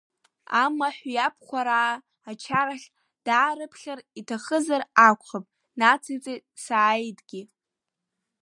Амаҳә иабхәараа ачарахь даарыԥхьар иҭахызар акәхап, нациҵеит Сааидгьы.